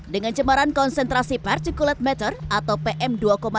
dengan cemaran konsentrasi particulate matter atau pm dua lima